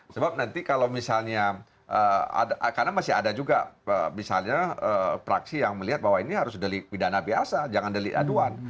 sebab nanti kalau misalnya karena masih ada juga misalnya praksi yang melihat bahwa ini harus delik pidana biasa jangan delik aduan